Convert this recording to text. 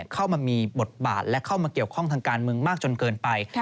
เข้ามามีบทบาทและเข้ามาเกี่ยวข้องทางการเมืองมากจนเกินไป